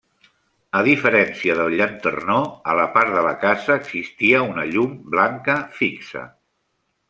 A diferència del llanternó, a la part de la casa existia una llum blanca fixa.